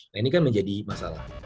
nah ini kan menjadi masalah